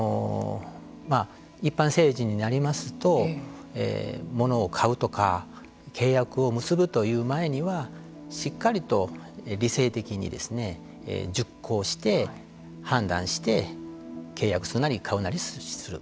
一般成人になりますと物を買うとか契約を結ぶという前にはしっかりと理性的に熟考して判断して契約するなり買うなりする。